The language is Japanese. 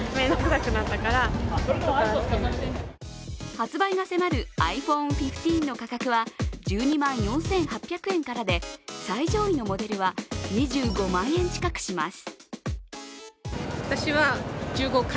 発売が迫るｉＰｈｏｎｅ１５の価格は１２万４８００円からで最上位のモデルは２５万円近くします。